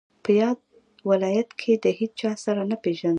په یاد ولایت کې له هیچا سره نه پېژندم.